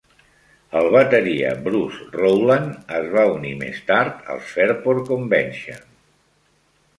El bateria Bruce Rowland es va unir més tard als Fairport Convention.